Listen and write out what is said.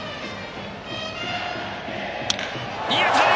いい当たり！